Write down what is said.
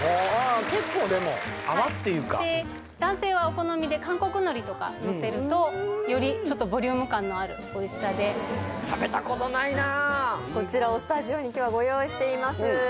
結構でも泡っていうか男性はお好みで韓国のりとかのせるとよりちょっとボリューム感のあるおいしさで食べたことないなこちらをスタジオに今日はご用意しています